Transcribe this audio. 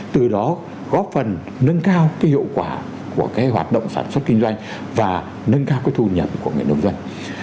từ đó góp phần nâng cao cái hiệu quả của cái hoạt động sản xuất kinh doanh và nâng cao cái thu nhận của người nông dân